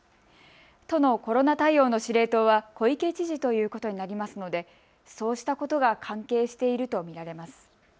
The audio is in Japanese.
都のコロナ対応の司令塔は小池知事ということになりますので、そうしたことが関係していると見られます。